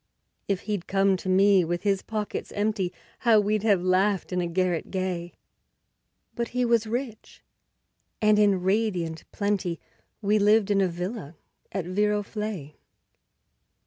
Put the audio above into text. If he'd come to me with his pockets empty, How we'd have laughed in a garret gay! But he was rich, and in radiant plenty We lived in a villa at Viroflay.